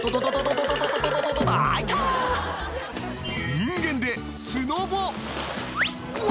人間でスノボうわ